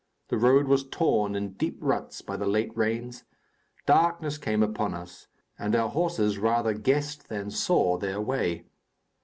The road was torn in deep ruts by the late rains, darkness came upon us and our horses rather guessed than saw their way.